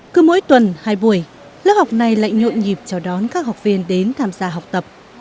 cứ mỗi tuần hai buổi lớp học này lại nhộn nhịp chào đón các học viên đến tham gia học tập